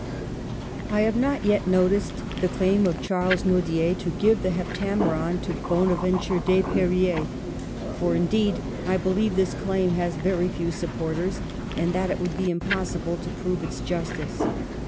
— II. I HAVE not yet noticed the claim of Charles Nodier to give the " Heptameron " to Bona venture Desperriers ; for indeed I believe this claim has very few supporters, and that it would be impossible to prove its justice.